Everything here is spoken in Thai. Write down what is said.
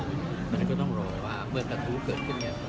มันก็ต้องรอว่าเมื่อกระทูเกิดขึ้นไง